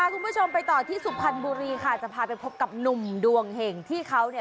คุณผู้ชมไปต่อที่สุพรรณบุรีค่ะจะพาไปพบกับหนุ่มดวงเห็งที่เขาเนี่ย